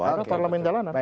karena parlement jalanan